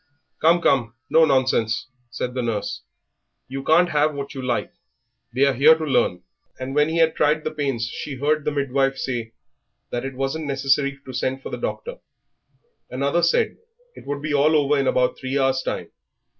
"Come, come, no nonsense!" said the nurse; "you can't have what you like; they are here to learn;" and when he had tried the pains she heard the midwife say that it wasn't necessary to send for the doctor. Another said that it would be all over in about three hours' time.